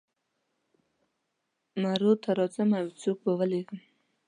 مرو ته راځم او یو څوک به ولېږم.